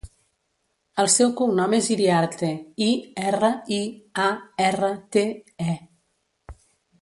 El seu cognom és Iriarte: i, erra, i, a, erra, te, e.